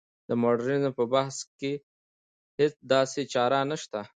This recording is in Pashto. د مډرنیزم په بحث کې هېڅ داسې چاره نشته.